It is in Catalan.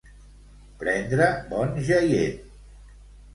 Prendre bon jaient.